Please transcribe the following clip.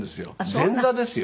前座ですよ。